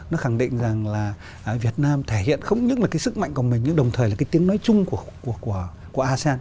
nó khẳng định rằng là việt nam thể hiện không những là cái sức mạnh của mình nhưng đồng thời là cái tiếng nói chung của asean